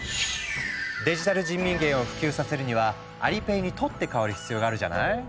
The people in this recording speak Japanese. デジタル人民元を普及させるにはアリペイに取って代わる必要があるじゃない？